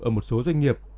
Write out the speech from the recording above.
ở một số doanh nghiệp